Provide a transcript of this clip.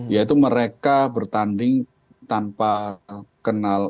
yaitu mereka bertanding tanpa kenal